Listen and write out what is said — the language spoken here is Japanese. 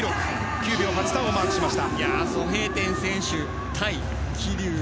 ９秒８３をマークしました。